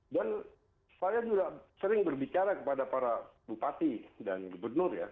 dan saya juga sering berbicara kepada para bupati dan gubernur ya